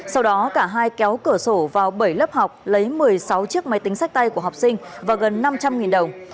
sau đó cả hai kéo cửa sổ vào bảy lớp học lấy một mươi sáu chiếc máy tính sách tay của học sinh và gần năm trăm linh đồng